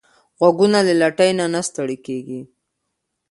غوږونه له لټۍ نه نه ستړي کېږي